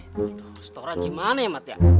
waduh setoran gimana ya mat ya